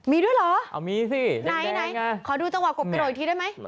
มีด้วยเหรออ่ามีสิแดงขอดูเจ้ากบกระโดดอีกทีได้ไหม